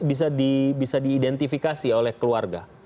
bisa diidentifikasi oleh keluarga